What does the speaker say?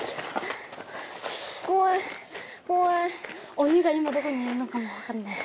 鬼が今どこにいるのかもわかんないし。